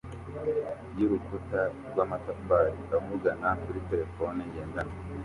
yurukuta rwamatafari avugana kuri terefone ngendanwa